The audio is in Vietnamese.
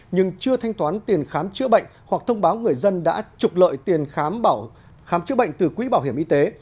nhưng chưa thanh toán tiền khám chữa bệnh hoặc thông báo người dân đã trục lợi tiền khám chữa bệnh từ quỹ bảo hiểm y tế